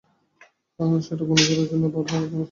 হ্যাঁ, সেটা ঘুর্ণিঝড়ের জন্য, বাঁধ ভাঙার সময়ের জন্য নয়।